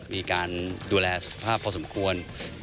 มีการดูแลสุขภาพพอสมควร